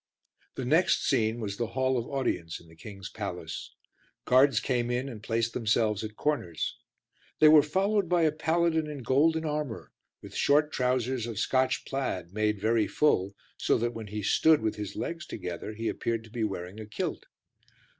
The next scene was the hall of audience in the king's palace. Guards came in and placed themselves at corners. They were followed by a paladin in golden armour with short trousers of Scotch plaid made very full, so that when he stood with his legs together he appeared to be wearing a kilt.